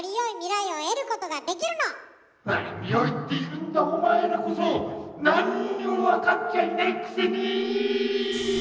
何を言っているんだお前らこそなんにも分かっちゃいないくせに！